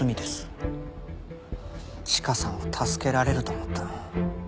チカさんを助けられると思った。